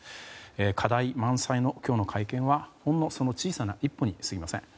課題満載の今日の会見はほんのその小さな一歩に過ぎません。